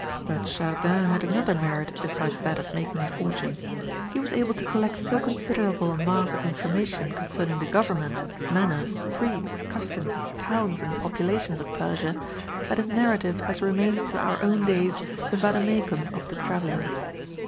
But Chardin had another merit besides that of making a fortune. He was able to collect so considerable a mass of information concerning the government, manners, creeds, customs, towns, and populations of Persia, that his narrative has remained to our own days the vade mecum of the traveller.